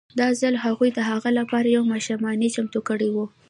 دا ځل هغوی د هغه لپاره یوه ماښامنۍ چمتو کړې وه